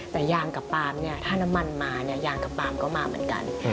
แต่ยางกับปามถ้าน้ำมันมายางกับปามก็มาเหมือนกัน